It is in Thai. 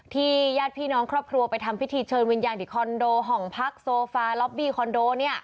ญาติพี่น้องครอบครัวไปทำพิธีเชิญวิญญาณที่คอนโดห้องพักโซฟาล็อบบี้คอนโด